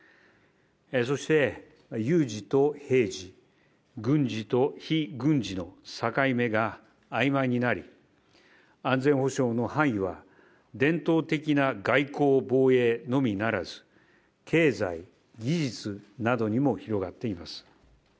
そして有事と平時、軍事と非軍事の境目があいまいになり、安全保障の範囲は伝統的な外交・防衛のみならず、経済、技術などにも広がっています。